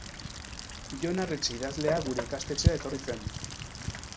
Jon Arretxe idazlea gure ikastetxera etorri zen.